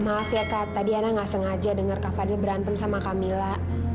maaf ya kak tadi ana nggak sengaja dengar kak fadil berantem sama kamila